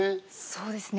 そうですね。